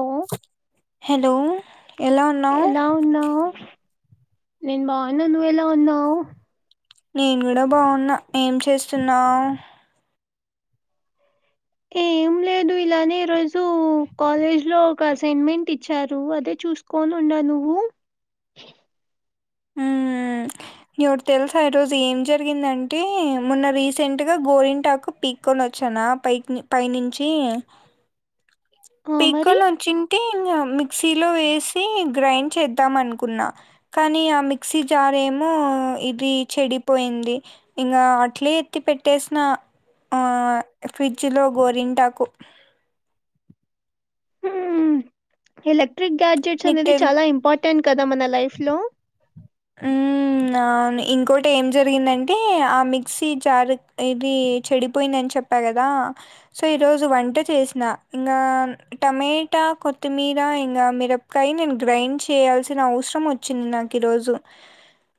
Hello hello ఎలా ఉన్నావు నేన్ బాగున్న నువ్ ఎలా ఉన్నావ్ నేను గూడా బాగున్నా ఏం చేస్తున్నావ్ ఏం లే దు ఇలానే ఈ రోజు కాలేజ్ లో ఒక అసైన్మెంట్ ఇచ్చారు అదే చూసుకోని ఉన్నా నువ్వు నీ ఒకటి తెలుస ఈ రోజు ఏం జరిగిందంటే మొన్న రీసెంట్గా గోరింటాకు పీక్ కొనొచ్చనా పైకి పైనుంచి ఆ మరి పీక్కోనొచ్చింటే ఇంక మిక్సీలో వేసి గ్రైండ్ చేద్దాం అనుకున్నా కానీ ఆ మిక్సీ జార్ ఏమో ఇది చెడిపోయింది ఇంగా అట్లే ఎత్తి పెట్టేసిన ఆ ఫ్రిడ్జ్ లో గోరింటాకు మ్మ్ ఎలక్ట్రిక్ గ్యాడ్జెట్స్ నీకు అనేది తెల్ చాలా ఇంపార్టెంట్ కదా మన లైఫ్ లో మ్మ్ మ్మ్ అవును ఇంకోటి ఏం జరిగిందంటే ఆ మిక్సీ జార్ ఇది చెడిపోయిందని చెప్ చెప్పాకదా సో ఈరోజు వంట చేసిన ఇంగా టమేటా కొత్తిమీర ఇంగా మిరపకాయి నేను గ్రైండ్ చేయాల్సిన అవసరం వచ్ చిన్నకి రోజు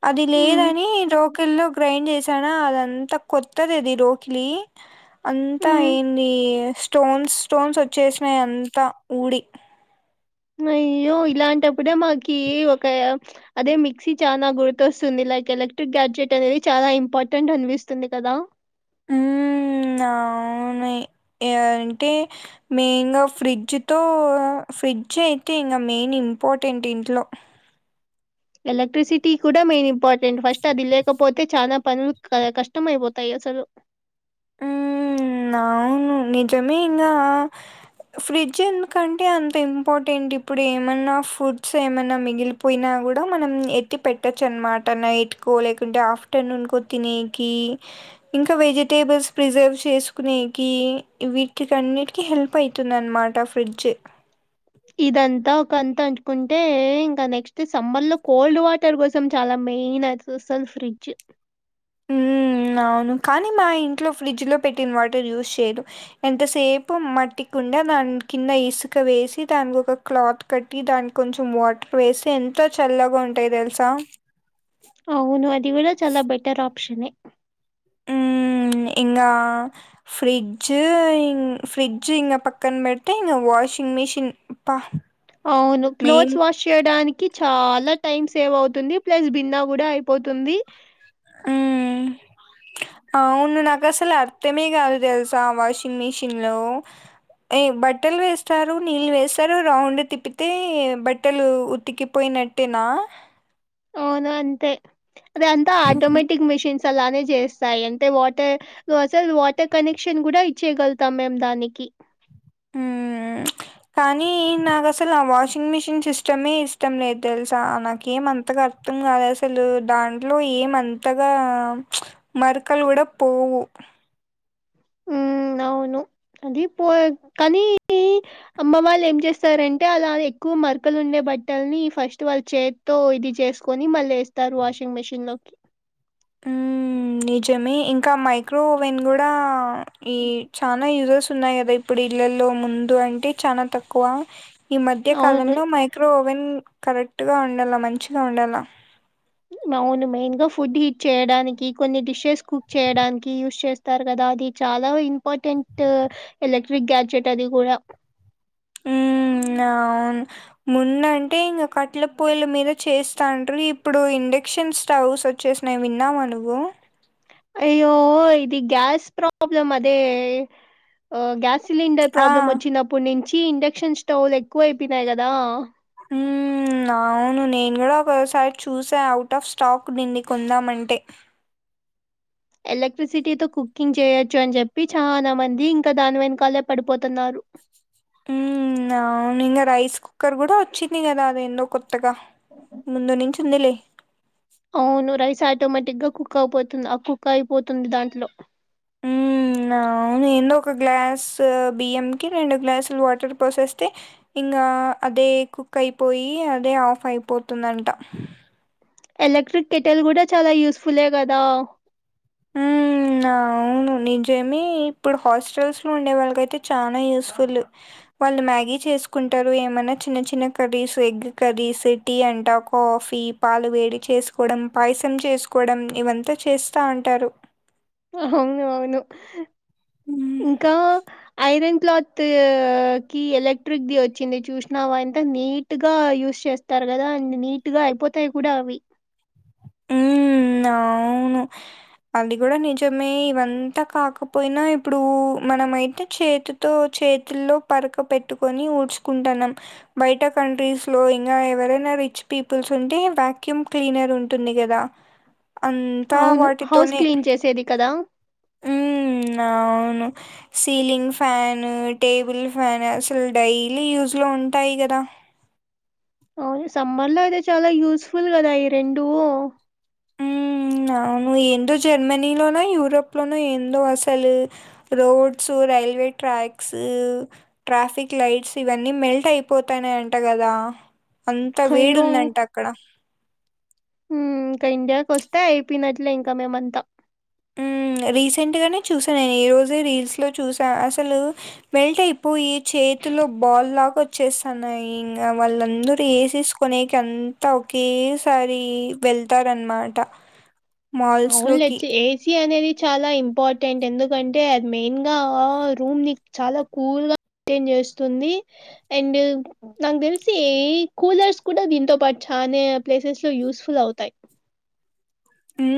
అది హ్మ్, లేదని రోకిల్లో గ్రైండ్ చేసానా అదంతా కొత్తది అది రోకిలి అంతా హ్మ్. ఏంది స్టోన్స్ స్టోన్స్ వచ్చేసినాయి అంతా ఊడి అయ్యో ఇలాంటప్పుడే మాకి ఒక అదే మిక్సీ చానా గుర్తొస్తుంది లైక్ ఎలక్ట్రిక్ గ్యాడ్జెట్ అనేది చాలా ఇంపార్టెంట్ అనిపిస్తుంది కదా? ఉమ్ అవును ఏంటి? మెయిన్గా ఫ్రిడ్జ్తో ఫ్రిడ్జ్ అయితే ఇంగ మెయిన్ ఇంపార్టెంట్ ఇంట్లో ఎలక్ట్రిసిటీ కూడా మెయినింపార్టెంట్ ఫస్ట్ అది లేకప్ పోతే చానా పనులు క కష్టంమైపోతాయి అసలు ఉమ్ అవును నిజమే ఇంగా ఫ్రిడ్జ్ ఎందుకంటే అంత ఇంపార్టెంట్ ఇప్పుడు ఏమన్నా ఫుడ్స్ ఏమన్నా మిగిలిప్ పోయినా కూడా మనం ఎత్తి పెట్టొచ్చు అన్మాట నైట్కో లేకుంటే ఆఫ్టర్నూన్కో తినేకి ఇంకా వెజి టేబుల్స్ ప్రిజర్వ్ చేసుకునేకి వీటిక అన్నిటికీ హెల్ప్ ఐతుందన్నమాట ఫ్రిడ్జ్ ఇదంతా ఒక అంత అంతుకుంటే ఇంకా నెక్స్ట్ సమ్మర్లో కోల్డ్ వాటర్ కోసం చాలా మెయిన్ అది చూస్తాల్ ఫ్రిడ్జ్ ఉమ్ అవును కానీ మా ఇంట్లో ఫ్రిడ్జ్ లో పెట్టిన వాటర్ యూస్ చెయ్రు ఎంతసేపు మట్టికుండా దాన్ కింద ఇసుక వేసి దాన్కి ఒక క్లాత్ కట్టి దాన్కి కొంచెం వాటర్ వేసి ఎంత చల్లగా ఉంటాయో తెల్సా అవును అది కూడా చాలా బెటర్ ఆప్షనే ఉమ్ ఇంగా ఫ్రిడ్జ్ ఇం ఫ్రి డ్జ్ ఇంగ పక్కన్ పెడితే ఇంగ వాషింగ్ మిషన్ పా అవును క్లోత్స్ వాష్ చేయడానికి చాలా టైమ్ సేవ్ అవుతుంది ప్లస్ భిన్నే కూడా అయిపోతుంది హ్మ్. అవును నాకు అసలు అర్థమే కాదు తెలుసా ఆ వాషింగ్ మిషిన్ లో ఎ బట్టలు వేస్తారు నీళ్ళు వేస్తారు రౌండ్ తిప్పితే బట్టలు ఉత్తికిపోయిన ట్టేనా ఔను అంతే అది అంతా ఆటోమేటిక్ మిషిన్స్ అలానే చేస్తాయి అంటే వాటర్ అసలు వాటర్ కనెక్షన్ కూడా ఇచ్చేగలుతాం మేం దానికి ఉమ్ ప్చ్ కానీ నాకసల్ ఆ వాషింగ్ మిషిన్ సిస్టమే ఇష్టం లేదు తెల్సా నాకేం అంతగా అర్డం గాదసలు దాంట్లో ఏమంతగా ప్చ్ మర్కలు కూడా పోవు ఉమ్ అవును అదీ పోయే కానీ అమ్మ వాళ్లేంచేస్తారంటే అలా ఎక్కువ మర్కలు ఉండే బట్టల్ని ఫస్ట్ వాళ్ళు చేత్ త్తో ఇది చేస్కొని మల్లేస్తారు వాషింగ్ మిషిన్ లోకి ఉమ్ నిజమే ఇంకా మైక్రోఓవెన్ గూడా ఈ చానా యూజెస్ ఉన్నాయి కదా ఇప్పుడు ఇళ్లలో ముందు అంటే చానా తక్కువ ఈ మధ్య అవును. కాలంలో మా క్రో ఓవెన్ కరెక్ట్ గా ఉండల్ల మంచిగా ఉండల్ల అవును మెయిన్ గా ఫుడ్ హిట్ చేయడానికి కొన్ని డిషెస్ కుక్ చేయడానికి యూస్ చేస్ స్తారు కదా అది చాలా ఇంపార్టెంట్ ఎలక్ట్రిక్ గ్యాడ్జెట్ అది కూడా ఉమ్ నౌను ముందంటే ఇంగ కట్ల పొయ్ల మీద చేస్తాండ్రి ఇప్పుడు ఇండక్షన్ స్టవ్స్ చేస్నయ్ విన్నావా నువ్వు? అయ్యో ఇది గ్యాస్ ప్రాబ్లమ్ అదే ఒ గ్యా సిలిండర్ ఆ ప్రాబ్లం వొచ్చినప్పడ్నుంచి ఇండక్షన్ స్టవ్లు ఎక్కువ ఐపోనాయ్ కదా? ఊ ఉ అవును నేను కూడా ఒకసారి చూశ అవుట్ ఆఫ్ స్టాక్ ఉన్నింది కొందామంటే ఎలక్ట్రిసిటీతో కుక్కింగ్ చేయొచ్చు అని చెప్పి చానా మంది ఇంకా దాని వెనకాలే పడిపోతున్నారు ఉ అవును ఇంగా రైస్ కుక్కర్ కూడా వచ్చింది కదా అదేందో కొత్ తగా ముందు నుంచి ఉందిలే అవును రైస్ ఆటోమేటిక్ గా కుక్ అవ్ పోతుంది ఆ కుక్ అయిపోతుంది దాంట్లో నవును ఏందో ఒక గ్లాస్ బియ్యం కి రెండు గ్లాసులు వాటర్ పోసేస్తే ఇంగ అదే కుక్ అయిపోయి అదే ఆఫ్ అయిపోతుందట ఎలక్ట్రిక్ కెటల్ కూడా చాలా యూస్ ఫులే కదా ఉ ఉ నవును నిజమే ఇప్పుడు హాస్టల్స్ లో ఉండే వాళ్ళకైతే చానా యూస్ఫుల్ వాళ్ళు మ్యాగీ చేసుకుంటరు ఏమైనా చిన్న చిన్న కర్రీస్ ఎగ్ కర్రీస్ టీ అంటా కాఫీ పాలు వేడి చేసుకోడం పాయసం చేసుకోవడం ఇవంతా చేస్తా అంటారు ఆ అవును అవును హ్మ్. ఇంకా ఐరన్ క్లాత్ త్ కి ఎలక్ట్రిక్ ది వచ్చింది చూసినావా ఎంత నీట్ గా యూస్ చేస్ తరు కదా అన్ని నీట్ గా అయిపోతాయి కూడా అవి హ్మ్. అవును అది కూడా నిజమే ఇవంతా కాకపోయినా ఇప్పుడు మనమైతె చేతు తో చేతుల్లో పరక పెట్టుకొని ఊడ్చుకుంటన్నాం బయట కంట్రీస్ లో ఇంగ ఎవరైనా రిచ్ పీపుల్స్ ఉంటే వాక్యూమ్ క్లీనర్ ఉన్ టుంది గాదా అంతా అవును. హౌస్ వాటితోనే క్లీన్ చేసేది కదా! ఉ అవును సీలింగ్ ఫ్యాన్ టేబుల్ ఫ్యాన్ అసల్ డైలీ యూస్ లో ఉంటాయి కదా ఓన్లీ సమ్మర్ లో అయితే చాలా యూస్ ఫుల్ కదా ఈ రెండు ఉ అవును ఎందో జర్మనీలోన యూరప్ లోన ఎందో అసలు roads, railway tracks traffic lights ఇవన్నీ మెల్ట్ అయిపోతాన్నాయంట కదా అంత వేడి అయ్యో! ఉందంట అక్కడ ఉ ఇంకా ఇండియాకొస్తే అయిపోయినట్లే ఇంకా మేమంతా ఉమ్ రీసెంట్గానే చూసా నేను ఈరోజే రీల్స్లో చూసా అసలు వెల్ట్ అయిపోయి చేతిలో బాల్ లాగా వచ్చేస్తాన్నయి ఇంగ వాళ్ళందరూ ఏసేసి కొనేకి అంత ఒకేసారి వెళ్తార్ అన్ మాట అవున్ లే చే చి అనేది చాలా ఇంపార్టెంట్ ఎందుకంటే అది మెయిన్ గా రూమ్ ని చాలా కూల్ గా టేన్ చేస్తుంది అండ్ నాకు తెలిసి ఏ కూలర్స్ కూడా దీంతో పాటు చానా ప్లేసెస్ లో యూస్ ఫుల్ అవుతాయ్ ఉ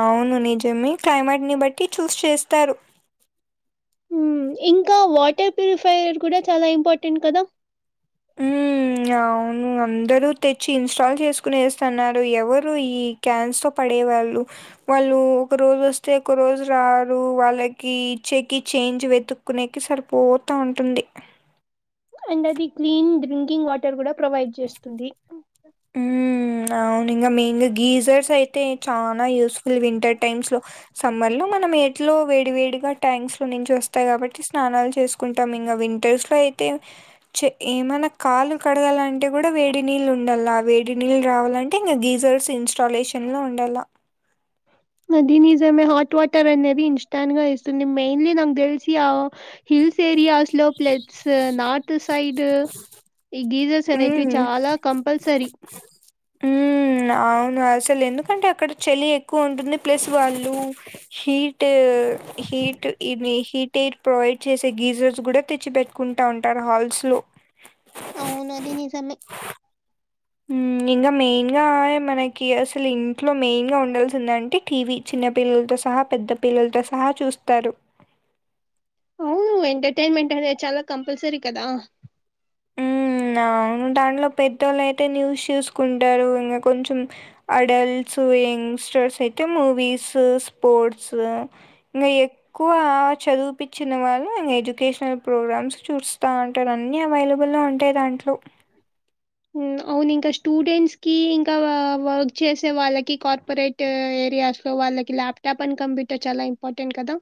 అవును నిజమే క్లైమేట్ ని బట్టి చూస్ చేస్తారు ఉ ఇంకా వాటర్ ప్యూరిఫయ్యర్ కూడా చాలా ఇంపార్టెంట్ కదా ఉ అవును అందరూ తెచ్చి ఇన్స్టాల్ చేసుకునే ఏస్తున్నారు ఎవరు ఈ క్యాన్స్ తో పడే వాళ్ళు వాళ్ళు ఒక రోజస్తే ఒక రోజు రారు వాళ్ళకి ఇచ్చేకి చేంజ్ వెతు కునేకి సరిపోతా ఉంటుంది అండ్ అది క్లీన్ డ్రింకింగ్ వాటర్ కూడా ప్రొవైడ్ జేస్తుంది ఉమ్ అవునింగ మెయిన్గా గీజర్స్ అయితే చానా యూస్ఫుల్ వింటర్ టైమ్స్ లో సమ్మర్ లో మనం ఏట్లో వేడి వేడిగా ట్యాంక్స్ లో నుంచి వస్తాయి కాబట్టి స్నానాలు చేసు కుంటాం ఇంగ వింటర్స్ లో అయితే చె ఏమన్న కాల్లు కడగాలంటే కూడా వేడి నీళ్ళు ఉండాల్ల అ వేడి నీళ్ళు రావాలంటే ఇంకా గీజర్స్ ఇన్స్టాలేషన్ లో ఉండాల అది నిజమే హాట్ వాటరనేది ఇన్స్టాంట్ గా ఇస్తుంది మెయిన్లీ నాకు తెలిసి ఆ హిల్స్ ఏరియాస్ లో ప్లడ్స్ నార్త్ సైడ్ ఈ గీజ సనేట్వి హ్మ్ చాలా కంపల్సరి హుమ్ అవును అసలెందుకంటే అక్కడ చలి ఎక్కువ ఉంటుంది ప్లస్ వాళ్ళు హీ ట్ హీట్ ఇది హీ టీర్ ప్రొవైడ్ చేసే గీజర్స్ కూడా తెచ్చి పెట్టుకుంటా ఉంటారు హాల్స్ లో అవునది నిజమే ఉమ్ ఇంగ మెయిన్గా మనకి అసలు ఇంట్లో మెయిన్గా ఉండాల్సిందంటే టీవి చిన్న పిల్లలతో సహా పెద్ద పిల్లలతో సహా చూస్తారు అవును ఎంటర్టైన్మెంట్ అనేది చాలా కంపల్సరి కదా ఊమ్ అవును దాంట్లో పెద్దొళ్ళుయితే న్యూస్ చూసుకుంటరు ఇంగ కొంచం అడల్ట్స్ యంగ్ స్టోర్స్ అయితే మూవీస్ స్పోర్ట్స్ య్యే ఎక్కువ చదివుపిచ్చున్న వాళ్ళు ఇంగ ఎడ్యుకేషనల్ ప్రోగ్రామ్స్ చూస్తా ఉంటరు అన్ని అవైల బ్బుల్లో ఉంటై దాంట్లో హుమ్ అవునింకా స్టూడెంట్స్ కి ఇంకావ వర్క్ చేసే వాళ్ళకి కార్పరేట్ ట్ ఏరియాస్ లో వాళ్ళకి ల్యాప్టాప్ అని కంప్యూటర్ చాలా ఇంపార్టెంట్ కదా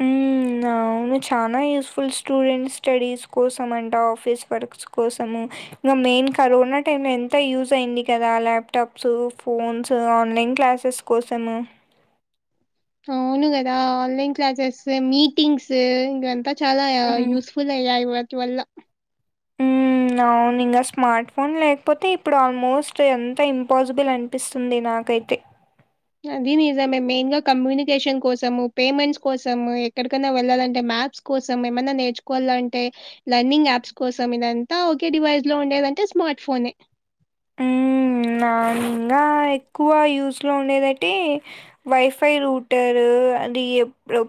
హ్మ్. అవును చానా యూస్ఫుల్ స్టూడెంట్ స్టడీస్ కోసమంట ఆఫీస్ వర్క్స్ కోసము ఇంగ మేన్ కరోనా టైమ్ లో ఎంత యూజ్ అయింది కదా ల్యాప్టాప్స్ ఫోన్స్ ఆన్లైన్ క్లాసెస్ కోసము అవును కదా ఆన్లైన్ క్లాసెస్ మీటింగ్స్ ఇంకంతా చాలా హ్మ్. యూస్ ఫుల్ అయ్యాయి వాటి వల్ల నౌన్ ఇంగ స్మార్ట్ ఫోన్ లేకపోతే ఇప్పుడు ఆల్మోస్ట్ ఎంత ఇంపాసిబుల్ అనిపిస్తుంది నాకైతే అది నిజమే మేన్ గా కమ్యూనికేషన్ కోసము పేమెంట్స్ కోసము ఎక్కడికైనా వెళ్ళాలంటే మ్యాప్స్ కోసం ఏమన్నా నేర్చుకోవాలంటే లర్నింగ్ యాప్స్ కోసం ఇదంతా ఒకే డివైస్ లో ఉండేదంటే స్మార్ట్ ఫోనే ఊమ్ నానింగ ఎక్కువ యూస్ లో ఉండేదైతే వైఫై రూటర్ అది ఇ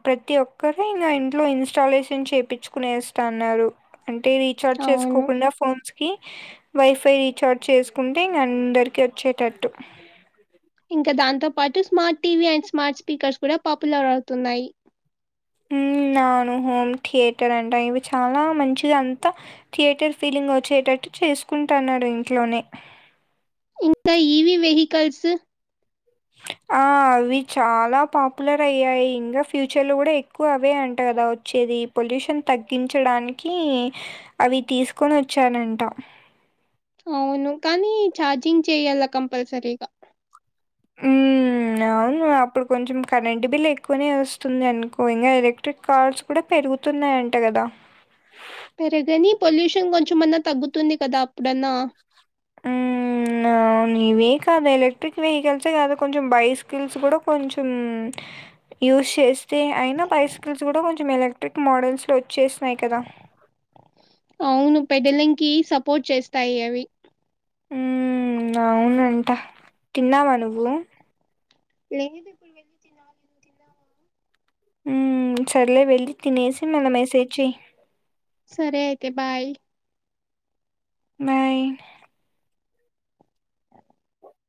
ప్రతి ఒక్కర ఇంకా ఇంట్లో ఇన్స్టాలేషన్ చేపిచ్చు కునేస్తన్నారు అంటేది రిచార్జ్ అవును. చేసుకోకుండా ఫోన్స్ కి వైఫై రీచార్జ్ చేసు కుంటే ఇంగ అందరికీ వచ్చేటట్టు ఇంకా దాంతో పాటు smart TV and smart speakers కూడా పాపులర్ అవుతున్నాయి ఉమ్ అవును హోమ్ థియేటర్ అంట ఇవి చాలా మంచిదంతా థియేటర్ ఫీలింగ్ వచ్చేటట్టు చేసుకుంటన్నారు ఇంట్లోనే ఇంకా ఈవి వెహికల్స్ ఆ అవి చాలా పాపులర్ అయ్యాయి ఇంగ ఫ్యూచర్ లో కూడా ఎ క్కువ అవే అంట కదా వచ్చేది పొల్యూషన్ తగ్గించడానికి అవీ తీసుకోన్ వచ్చానంట అవును కానీ ఛార్జింగ్ చేయాలా కంపల్సరీగా హ్మ్. అవును అప్పుడ్ కొంచెం కరెంట్ బిల్ ఎక్కువనే వస్తుంది అనుకో ఇంగా ఎలక్ట్రిక్ కార్స్ కుడ పెరుగుతున్నాయంట కదా పెరుగనీ పొల్యూషన్ గొంచెమన్నా తగ్గుతుంది కదా అప్పుడన్నా హ్మ్. అవును ఇవే కాదు ఎలక్ట్రిక్ వెహికల్సే కాదు కొంచెం బై స్కిల్స్ కూడా కొంచెం యూస్ చేస్తే అయినా బైస్కిల్స్ గుడ కొంచెం ఎలక్ట్రిక్ మోడల్స్లో వచ్చేస్నాయ్ కదా ఔను పెద్దలింకీ సపోర్ట్ చేస్తాయి అవి అవునంట తిన్నావా నువ్వు లేదు ఔన్ తినాలి ఉమ్ సర్లే వెళ్ళి తినేసి మళ్ళ మెసేజ్ చెయ్ సరే అయితే బాయ్ బాయ్